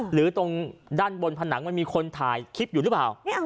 หรือตรงด้านบนผนังมันมีคนถ่ายคลิปอยู่หรือเปล่า